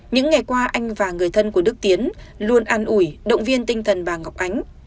những ngày qua anh và người thân của đức tiến luôn an ủi động viên tinh thần bà ngọc ánh